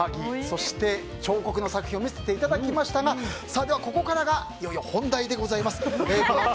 そして彫刻の作品を見せていただきましたがでは、ここからがいよいよ本題でございます。